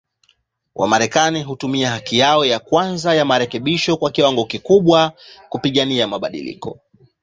Wamarekani hutumia haki yao ya kwanza ya marekebisho kwa kiwango kikubwa, kupigania mabadiliko.